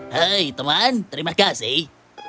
hei teman terima kasih